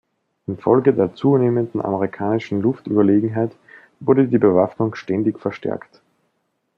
Infolge der zunehmenden amerikanischen Luftüberlegenheit wurde die Bewaffnung ständig verstärkt.